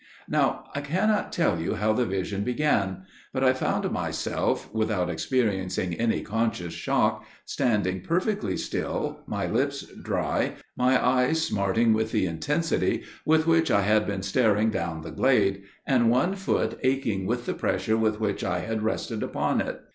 "Now I cannot tell you how the vision began; but I found myself, without experiencing any conscious shock, standing perfectly still, my lips dry, my eyes smarting with the intensity with which I had been staring down the glade, and one foot aching with the pressure with which I had rested upon it.